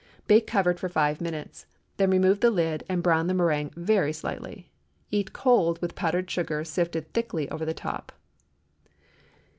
Bake, covered, for five minutes. Then remove the lid, and brown the méringue very slightly. Eat cold, with powdered sugar sifted thickly over the top.